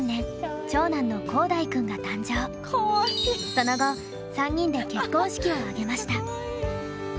その後３人で結婚式を挙げました。